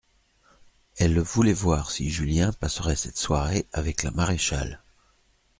Elle voulait voir si Julien passerait cette soirée avec la maréchale.